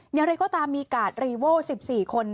ยังเลยก็ตามมีการ์ดรีโว้๑๔คน